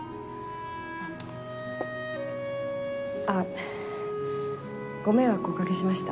あっご迷惑をおかけしました。